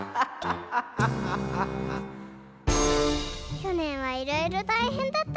きょねんはいろいろたいへんだったね。